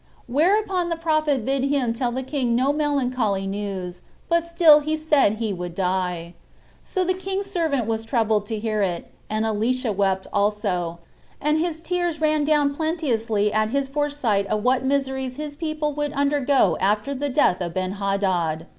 Whereupon the prophet bid him tell the king no melancholy news; but still he said he would die. So the king's servant was troubled to hear it; and Elisha wept also, and his tears ran down plenteously at his foresight of what miseries his people would undergo after the death of Benhadad.